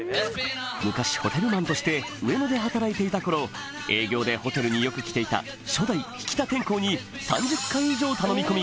昔ホテルマンとして上野で働いていた頃営業でホテルによく来ていた初代引田天功に３０回以上頼み込み